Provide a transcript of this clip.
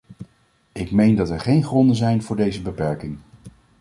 Ik meen dat er geen gronden zijn voor deze beperking.